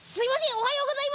おはようございます。